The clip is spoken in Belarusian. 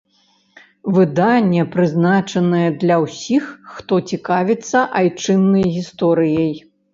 Выданне прызначанае для ўсіх, хто цікавіцца айчыннай гісторыяй.